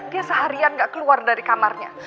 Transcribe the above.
dia seharian nggak keluar dari kamarnya